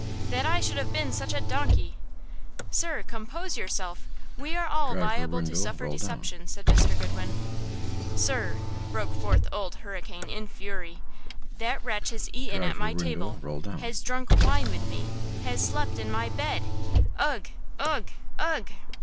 that I should have been such a donkey!" "Sir, compose yourself! We are all liable to suffer deception," said Mr. Goodwin. "Sir," broke forth Old Hurricane, in fury, "that wretch has eaten at my table! Has drunk wine with me!! Has slept in my bed!!! Ugh! ugh!! ugh!!!"